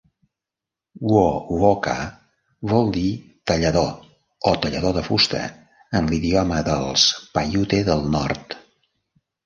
Wovoka vol dir "tallador" o "tallador de fusta" en l'idioma dels Paiute del Nord.